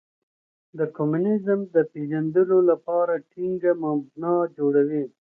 د کمونیزم د پېژندلو لپاره ټینګه مبنا جوړوي.